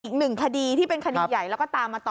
อีกหนึ่งคดีที่เป็นคดีใหญ่แล้วก็ตามมาต่อ